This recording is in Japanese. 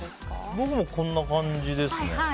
僕もこんな感じですね。